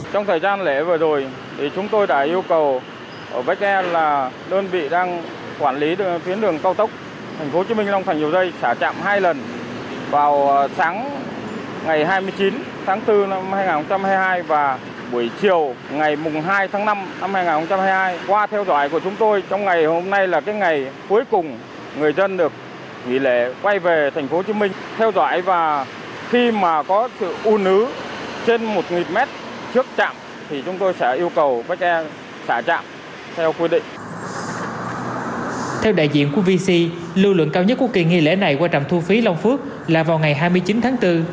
theo đại diện của vc lưu lượng cao nhất của kỳ nghi lễ này qua trạm thu phí long phước là vào ngày hai mươi chín tháng bốn